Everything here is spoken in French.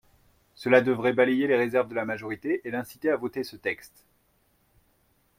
Cela devrait balayer les réserves de la majorité et l’inciter à voter ce texte.